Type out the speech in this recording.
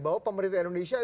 bahwa pemerintah indonesia itu